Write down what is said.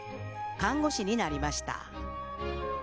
看護師になりました。